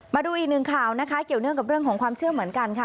มาดูอีกหนึ่งข่าวนะคะเกี่ยวเนื่องกับเรื่องของความเชื่อเหมือนกันค่ะ